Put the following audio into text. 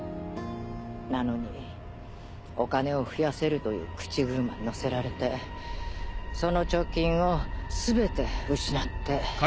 なのにお金を増やせるという口車に乗せられてその貯金をすべて失って。